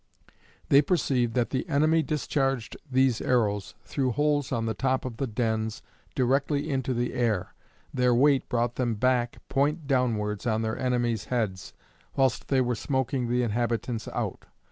They perceived that the enemy discharged these arrows through holes on the top of the dens directly in to the air. Their weight brought them back, point downwards on their enemies heads, whilst they were smoking the inhabitants out.